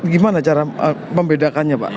gimana cara membedakannya pak